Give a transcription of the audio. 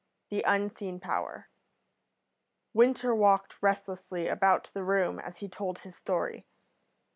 THE UNSEEN POWER Winter walked restlessly about the room as he told his story.